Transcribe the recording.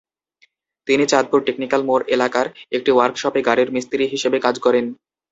তিনি চাঁদপুর টেকনিক্যাল মোড় এলাকার একটি ওয়ার্কশপে গাড়ির মিস্ত্রি হিসেবে কাজ করেন।